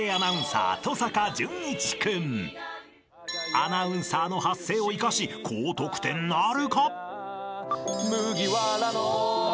［アナウンサーの発声を生かし高得点なるか？］